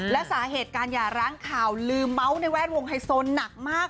และสาเหตุการหย่าร้างข่าวลืมเมาส์ในแวดวงไฮโซหนักมาก